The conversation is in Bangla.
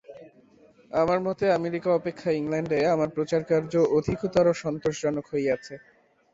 আমার মতে আমেরিকা অপেক্ষা ইংলণ্ডে আমার প্রচারকার্য অধিকতর সন্তোষজনক হইয়াছে।